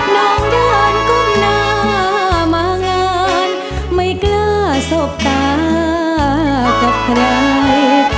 น้องเดินก้มหน้ามางานไม่กล้าสบตากับใคร